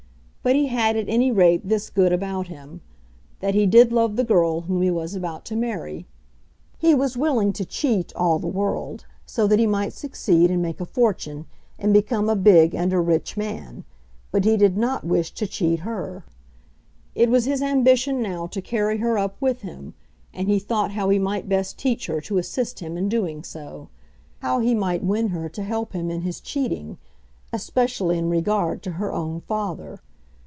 But he had at any rate this good about him, that he did love the girl whom he was about to marry. He was willing to cheat all the world, so that he might succeed, and make a fortune, and become a big and a rich man; but he did not wish to cheat her. It was his ambition now to carry her up with him, and he thought how he might best teach her to assist him in doing so, how he might win her to help him in his cheating, especially in regard to her own father.